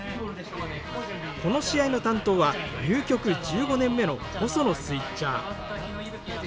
この試合の担当は入局１５年目の細野スイッチャー。